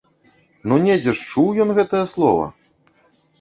Ну недзе ж чуў ён гэтае слова!